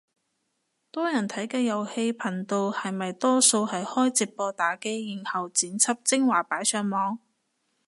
多人睇嘅遊戲頻道係咪多數係開直播打機，然後剪輯精華擺上網